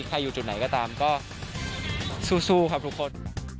ใครอยู่จุดไหนก็ตามก็สู้ซู่ค่ะทุกคน